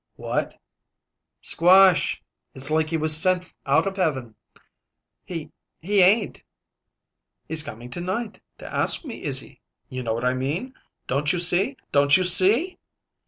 "What?" "Squash! It's like he was sent out of heaven!" "He he ain't " "He's coming to night to ask me, Izzy. You know what I mean? Don't you see? Don't you see?"